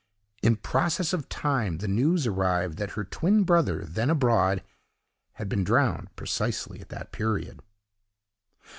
In process of time, the news arrived that her twin brother, then abroad, had been drowned precisely at that period.